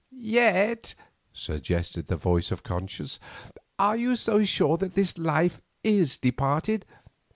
"Yet," suggested the voice of Conscience, "are you so sure that this life is departed?